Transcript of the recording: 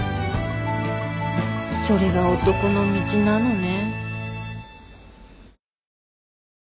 それが男の道なのね。